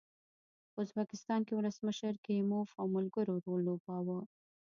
په ازبکستان کې ولسمشر کریموف او ملګرو رول لوباوه.